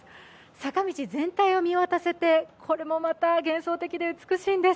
坂道全体を見渡せてこれもまた幻想的で美しいんです。